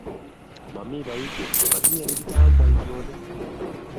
mamii boisie, matinyei biik che chang' boisionik